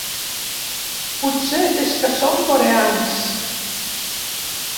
Potser és que són coreans.